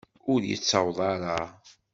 Ur yettaweḍ ara.